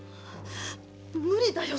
無理だよ